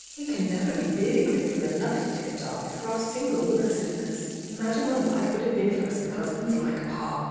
We can never be really grateful enough, dear Di, for our single blessedness! Imagine what life would have been for us with husbands like Pa!